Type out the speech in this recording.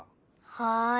はい。